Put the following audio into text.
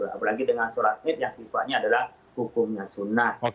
apalagi dengan sholat id yang sifatnya adalah hukumnya sunnah